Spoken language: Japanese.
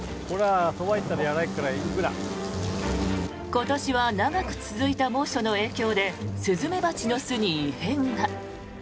今年は長く続いた猛暑の影響でスズメバチの巣に異変が。